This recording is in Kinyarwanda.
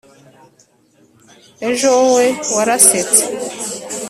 ejo wowe warasetse